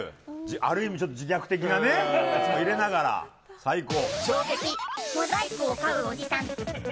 ある意味自虐的なね入れながら、最高。